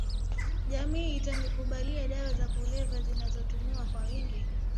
jamii itanikubaliDawa za kulevya zinazotumiwa kwa wingi